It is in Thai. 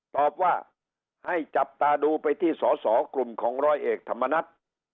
ตอบว่าให้จับตาดูไปที่สอสอกลุ่มของร้อยเอกธรรมนัฐ